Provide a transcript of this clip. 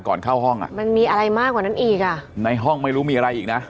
เข้าห้องอ่ะมันมีอะไรมากกว่านั้นอีกอ่ะในห้องไม่รู้มีอะไรอีกนะ